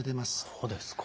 そうですか。